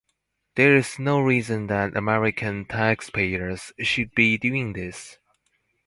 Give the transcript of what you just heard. There is no reason that American taxpayers should be doing this.